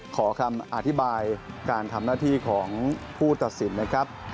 ขอคำอธิบายการทำหน้าที่ของผู้ตัดสินนะครับ